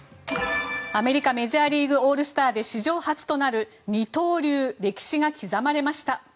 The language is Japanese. アメリカ、メジャーリーグオールスターで史上初となる二刀流歴史が刻まれました。